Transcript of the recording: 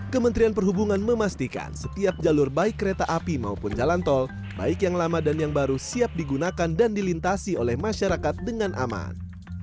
kementerian perhubungan memastikan setiap jalur baik kereta api maupun jalan tol baik yang lama dan yang baru siap digunakan dan dilintasi oleh masyarakat dengan aman